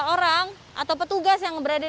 orang atau petugas yang berada